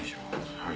はい。